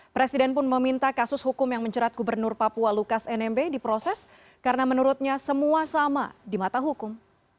presiden pun meminta kasus hukum yang menjerat gubernur papua lukas nmb diproses karena menurutnya semua sama di mata hukum